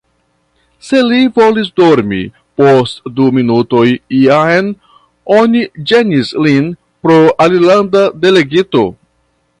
Se li volis dormi, post du minutoj jam oni ĝenis lin pro alilanda delegito.